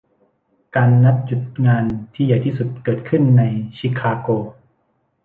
การนัดหยุดงานที่ใหญ่ที่สุดเกิดขึ้นในชิคาโก